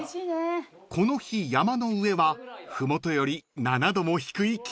［この日山の上は麓より７℃も低い気温］